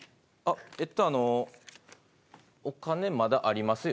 えっとあのお金まだありますよ。